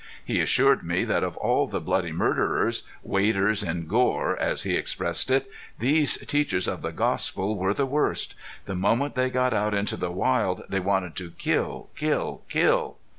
He assured me that of all the bloody murderers waders in gore, as he expressed it these teachers of the gospel were the worst. The moment they got out into the wild they wanted to kill, kill, kill.